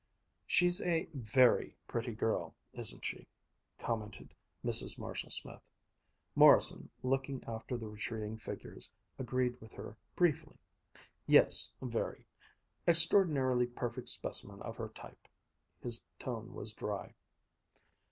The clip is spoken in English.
"She's a very pretty girl, isn't she?" commented Mrs. Marshall Smith. Morrison, looking after the retreating figures, agreed with her briefly. "Yes, very. Extraordinarily perfect specimen of her type." His tone was dry.